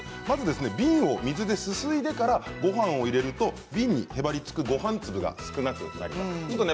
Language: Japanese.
まず瓶を水ですすいでからごはんを入れると瓶にへばりつくごはん粒が少なくなります。